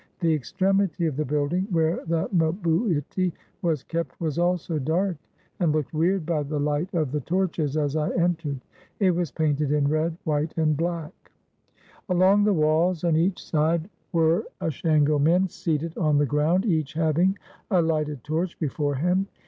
The extremity of the building, where the mhuiti was kept, was also dark, and looked weird by the light of the 406 THE VILLAGE OF DWARFS torches as I entered. It was painted in red, white, and black. Along the walls on each side were Ashango men seated on the ground, each having a lighted torch before him.